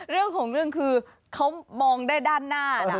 เรื่องของเรื่องคือเขามองได้ด้านหน้านะ